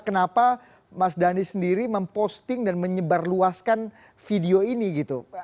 kenapa mas dhani sendiri memposting dan menyebarluaskan video ini gitu